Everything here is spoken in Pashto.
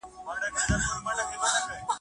غولکه د مڼې ونې ته برابر شوې وه.